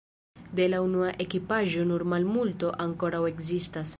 De la unua ekipaĵo nur malmulto ankoraŭ ekzistas.